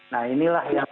nah inilah yang